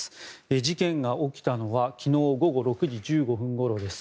事件が起きたのは昨日午後６時１５分ごろです。